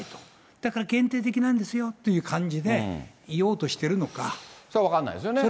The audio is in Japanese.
だから、限定的なんですよというそれは分かんないですよね。